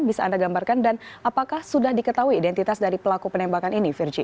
bisa anda gambarkan dan apakah sudah diketahui identitas dari pelaku penembakan ini virgi